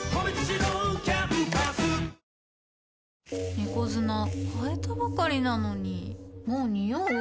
猫砂替えたばかりなのにもうニオう？